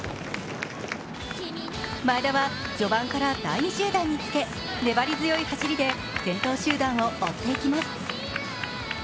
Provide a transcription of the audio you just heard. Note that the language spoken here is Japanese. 前田は序盤から第２集団につけ粘り強い走りで先頭集団を追っていきます。